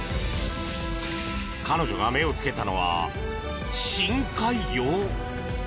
彼女が目を付けたのは、深海魚？